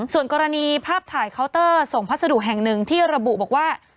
ส่วนกรณีภาพถ่ายเคาน์เตอร์ส่งพัสดุแห่งหนึ่งที่ระบุบอกว่า